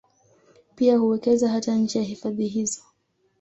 Pia huwekeza hata nje ya hifadhi hizo